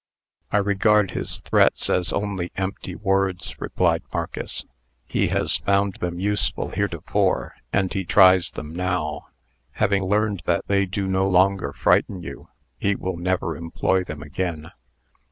"I regard his threats as only empty words," replied Marcus. He has found them useful heretofore, and he tries them now. Having learned that they do not longer frighten you, he will never employ them again.